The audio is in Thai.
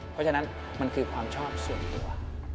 เพราะฉะนั้นมันคือความชอบส่วนตัว